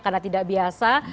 karena tidak biasa